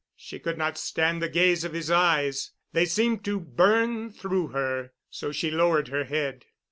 She could not stand the gaze of his eyes. They seemed to burn through her, so she lowered her head.